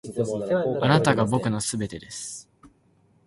あなたが僕の全てです．